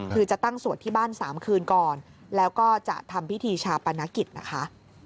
คือจะตั้งสวดที่บ้าน๓คืนก่อนแล้วก็จะทำพิธีชาปนกิจนะคะ